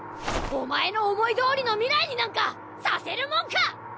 お前の思い通りの未来になんかさせるもんか！